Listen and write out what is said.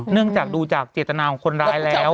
จากดูจากเจตนาของคนร้ายแล้ว